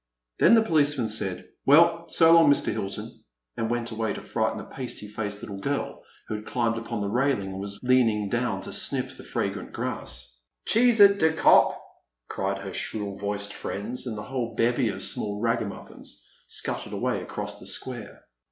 Then the policeman said, '* Well, solong, Mr. Hilton, and went away to frighten a pasty faced little girl who had climbed upon the railing and was leaning down to snifif the fragrant grass. Cheese it, de cop !cried her shrill voiced Mends, and the whole bevy of small ragamuffins scuttled away across the square.